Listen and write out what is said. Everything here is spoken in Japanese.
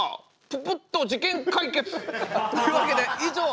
ププッと事件解決！というわけで以上ＨＥＹ！